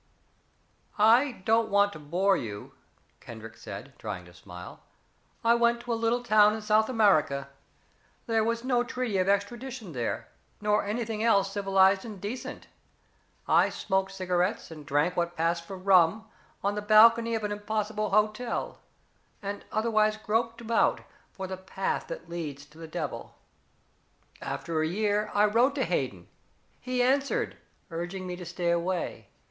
"I don't want to bore you," Kendrick said, trying to smile. "I went to a little town in South America. There was no treaty of extradition there nor anything else civilized and decent. I smoked cigarettes and drank what passed for rum, on the balcony of an impossible hotel, and otherwise groped about for the path that leads to the devil. After a year, I wrote to Hayden. He answered, urging me to stay away.